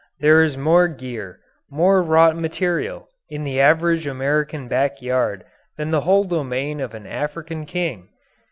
There is more gear, more wrought material, in the average American backyard than in the whole domain of an African king.